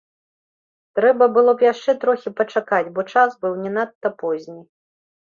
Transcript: Трэба было б яшчэ трохі пачакаць, бо час быў не надта позні.